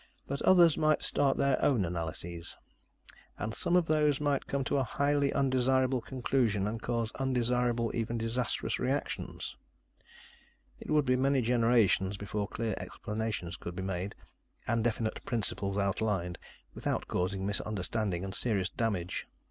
But others might start their own analyses. And some of those might come to highly undesirable conclusions and cause undesirable, even disastrous, reactions. It would be many generations before clear explanations could be made and definite principles outlined without causing misunderstanding and serious damage.